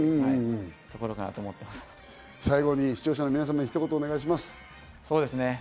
最後に視聴者のみなさまにひと言お願いします。